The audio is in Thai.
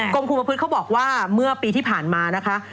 กรงค์ภูมิประพฤษเขาบอกว่าเมื่อปีที่ผ่านมานะคะ